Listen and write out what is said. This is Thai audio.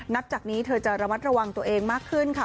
นับจากนี้เธอจะระมัดระวังตัวเองมากขึ้นค่ะ